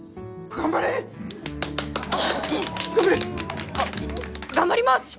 頑張ります！